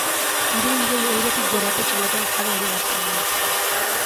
Hiru milioi eurotik gorako txaleten jabe ere baziren.